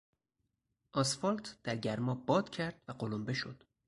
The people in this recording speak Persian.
اسفالت در گرما باد کرد و قلمبه شد.